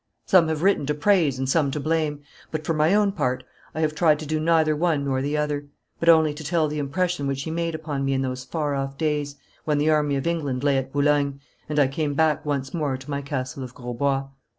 Some have written to praise and some to blame, but for my own part I have tried to do neither one nor the other, but only to tell the impression which he made upon me in those far off days when the Army of England lay at Boulogne, and I came back once more to my Castle of Grosbois.